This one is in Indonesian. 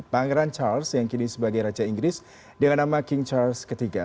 pangeran charles yang kini sebagai raja inggris dengan nama king charles iii